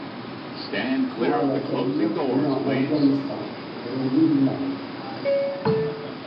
Sooraya Qadir est née en Afghanistan, elle est musulmane.